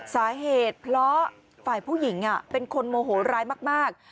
สาเหตุเพราะฝ่ายผู้หญิงเป็นคนโมโหร้ายมาก